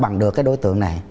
bắt bằng được cái đối tượng này